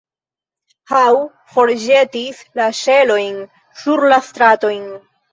Hue forĵetis la ŝelojn sur la stratojn.